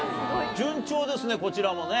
順調ですねこちらもね。